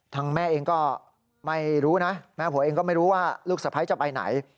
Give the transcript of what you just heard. แม่เองก็ไม่รู้นะแม่ผัวเองก็ไม่รู้ว่าลูกสะพ้ายจะไปไหน